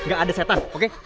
gak ada setan oke